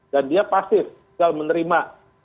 dan dia pasif harus menerima